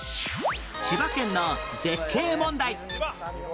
千葉県の絶景問題